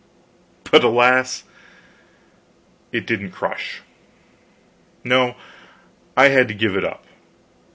But, alas! it didn't crush. No, I had to give it up.